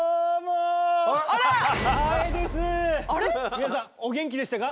皆さんお元気でしたか？